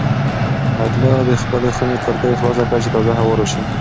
حیات الله د خپلې خونې کړکۍ خلاصه کړه چې تازه هوا راشي.